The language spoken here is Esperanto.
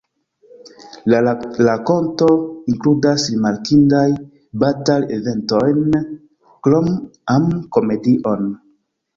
La rakonto inkludas rimarkindajn batal-eventojn krom am-komedion.